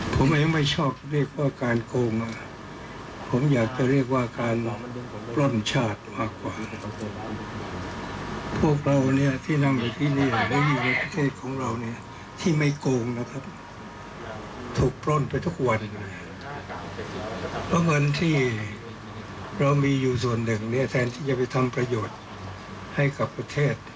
เพราะมันที่เรามีอยู่ส่วนหนึ่งเนี่ยแทนที่จะไปทำประโยชน์ให้กับประเทศ